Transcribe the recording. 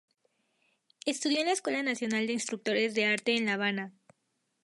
Estudió en la Escuela Nacional de Instructores de Arte en La Habana.